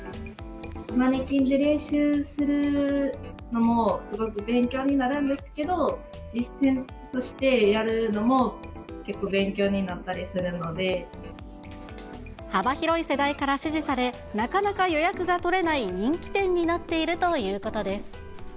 マネキンで練習するのもすごく勉強になるんですけど、実践としてやるのも、結構、勉強になっ幅広い世代から支持され、なかなか予約が取れない人気店になっているということです。